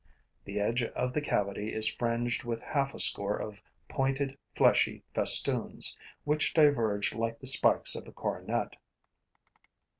The edge of the cavity is fringed with half a score of pointed, fleshy festoons, which diverge like the spikes of a coronet.